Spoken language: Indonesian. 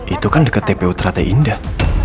itu kan dekat tpu teratai indah